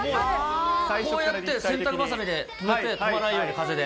こうやって洗濯ばさみで留めて、飛ばないように、風で。